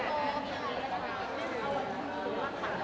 ครับผม